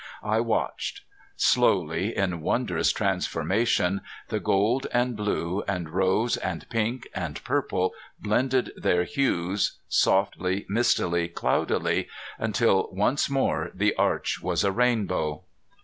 I watched. Slowly, in wondrous transformation, the gold and blue and rose and pink and purple blended their hues, softly, mistily, cloudily, until once more the arch was a rainbow.